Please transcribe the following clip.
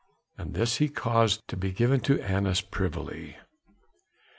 And this he caused to be given to Annas privily.